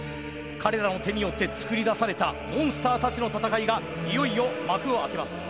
彼らの手によって作り出されたモンスターたちの戦いがいよいよ幕を開けます。